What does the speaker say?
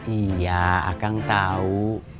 iya akang tahu